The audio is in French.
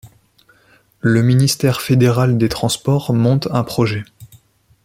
Le Ministère fédéral des Transports monte un projet.